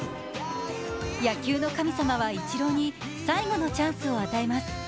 野球の神様はイチローに最後のチャンスを与えます。